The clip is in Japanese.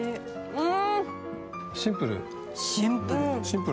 うん。